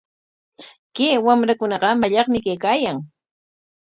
Kay wamrakunaqa mallaqmi kaykaayan.